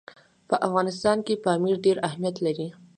په افغانستان کې پامیر ډېر اهمیت لري.